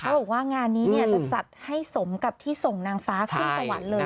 บอกว่างานนี้จะจัดให้สมกับที่ส่งนางฟ้าขึ้นสวรรค์เลย